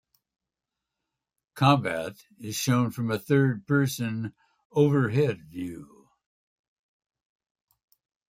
Combat is shown from a third-person overhead view.